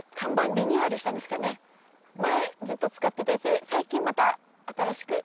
これ前ずっと使ってて最近また新しく。